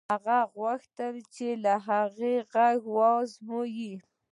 هغې غوښتل چې هغه يې غږ و ازمايي.